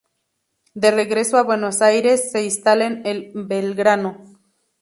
De regreso a Buenos Aires se instalan en Belgrano.